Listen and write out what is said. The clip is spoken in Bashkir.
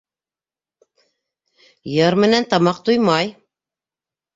Йыр менән тамаҡ туймай!